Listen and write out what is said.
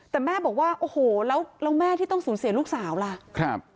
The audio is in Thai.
แต่แม่บอกว่าโอ้โหแล้วแม่ที่ต้องสูญเสียลูกสาวล่ะครับ